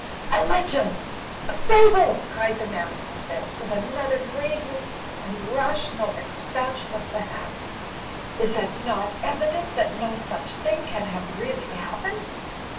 "A legend ! a fable !" cried the man in the fez, with another radiant and rational expansion of the hands. "Is it not evident that no such thing can have really happened?"